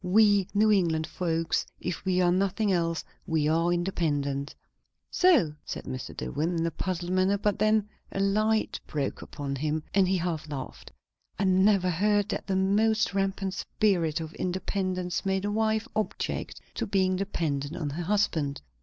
We New England folks, if we are nothing else, we are independent." "So? " said Mr. Dillwyn, in a puzzled manner, but then a light broke upon him, and he half laughed. "I never heard that the most rampant spirit of independence made a wife object to being dependent on her husband."